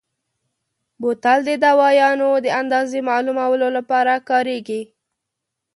بوتل د دوایانو د اندازې معلومولو لپاره کارېږي.